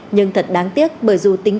nhưng thật đáng tiếc bởi dù tính